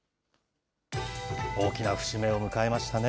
大きな節目を迎えましたね。